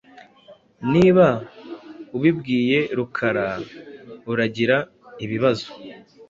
Niba ubibwiye Rukara , uzagira ibibazo